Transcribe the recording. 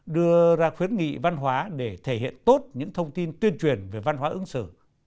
đưa ra khuyến nghị văn hóa để thể hiện tốt những thông tin tuyên truyền về văn hóa ứng xử